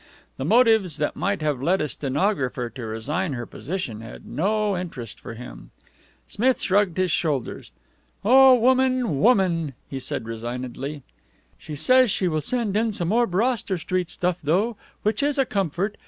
The motives that might have led a stenographer to resign her position had no interest for him. Smith shrugged his shoulders. "Oh, Woman, Woman!" he said resignedly. "She says she will send in some more Broster Street stuff, though, which is a comfort.